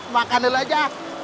makan dulu aja